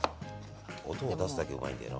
音を出すだけうまいんだよな